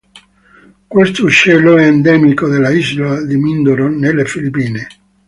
Questo uccello è endemico dell'isola di Mindoro, nelle Filippine.